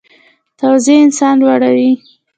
تواضع انسان لوړوي